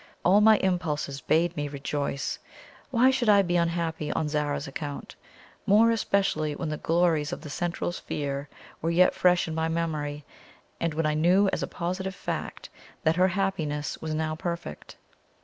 All my impulses bade me rejoice. Why should I be unhappy on Zara's account? more especially when the glories of the Central Sphere were yet fresh in my memory, and when I knew as a positive fact that her happiness was now perfect.